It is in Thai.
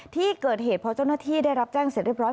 ที่เกิดเหตุพอเจ้าหน้าที่ได้รับแจ้งเสร็จเรียบร้อย